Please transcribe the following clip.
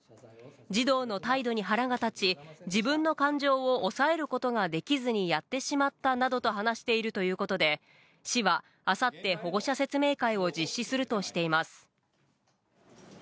児童の態度に腹が立ち、自分の感情を抑えることができずにやってしまったなどと話しているということで、市はあさって、保護者説明会を実施するとしています。